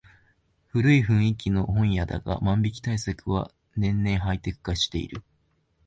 古い雰囲気の本屋だが万引き対策は年々ハイテク化している